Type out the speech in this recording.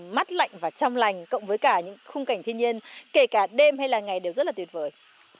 mắt lạnh và trong lành cộng với cả những khung cảnh thiên nhiên kể cả đêm hay là ngày đều rất là tuyệt vời